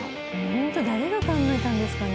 ホント誰が考えたんですかね。